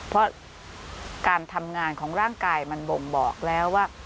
เพราะการทำงานของร่างกายมันบ่งบอกแล้วว่า